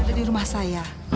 ada di rumah saya